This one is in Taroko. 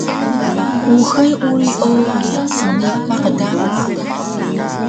uxay uri o smipaq dapa